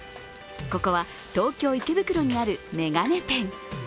ここは東京・池袋にある眼鏡店。